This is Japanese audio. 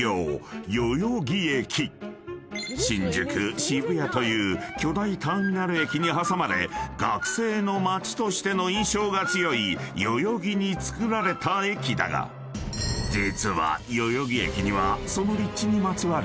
［新宿渋谷という巨大ターミナル駅に挟まれ学生の街としての印象が強い代々木に造られた駅だが実は代々木駅にはその］